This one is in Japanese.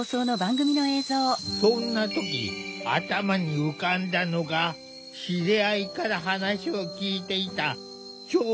そんな時頭に浮かんだのが知り合いから話を聞いていた「聴導犬」だ。